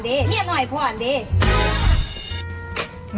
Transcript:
จัดกระบวนพร้อมกัน